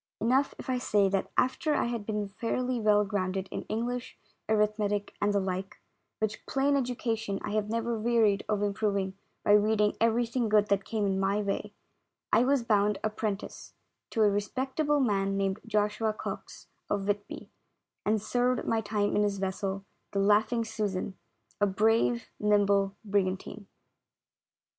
Enough if I say that after I had been fairly well grounded in English, arithmetic and the like, which plain education I have never wearied of improving by reading everything good that came in my way, I was bound apprentice to a respect able man named Joshua Cox, of Whitby, and served my time in his vessel, the Laughing Susan — a brave, nimble brigantine.